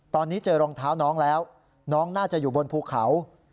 ตอนนี้เจอรองเท้าน้องแล้วน้องน่าจะอยู่บนภูเขา